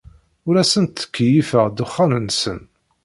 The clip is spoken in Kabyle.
Ur asen-ttkeyyifeɣ ddexxan-nsen.